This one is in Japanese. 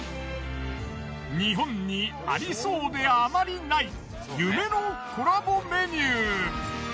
日本にありそうであまりない夢のコラボメニュー。